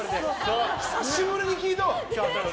久しぶりに聞いたわ。